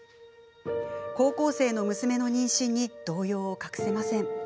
高校生の娘の妊娠に動揺を隠せません。